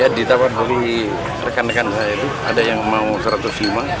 ya ditawar oleh rekan rekan saya itu ada yang mau rp satu ratus lima